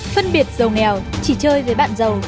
phân biệt giàu nghèo chỉ chơi với bạn giàu